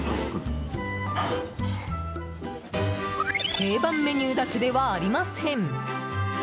定番メニューだけではありません。